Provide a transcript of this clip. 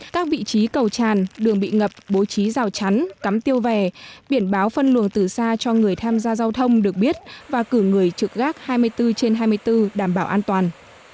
các vị trí cầu tràn đường bị ngập bố trí rào chắn cắm tiêu vè biển báo phân luồng từ xa cho người tham gia giao thông được biết và cử người trực gác hai mươi bốn trên hai mươi bốn đảm bảo an toàn